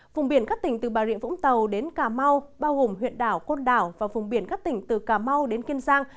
vùng biển các tỉnh từ bà rịa vũng tàu đến cà mau bao gồm huyện đảo côn đảo và vùng biển các tỉnh từ cà mau đến kiên giang